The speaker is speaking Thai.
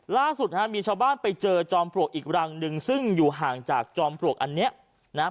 ล่าสุดฮะมีชาวบ้านไปเจอจอมปลวกอีกรังหนึ่งซึ่งอยู่ห่างจากจอมปลวกอันเนี้ยนะฮะ